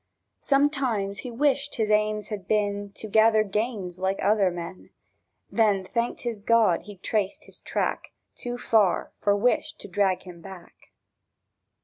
Sometimes he wished his aims had been To gather gains like other men; Then thanked his God he'd traced his track Too far for wish to drag him back.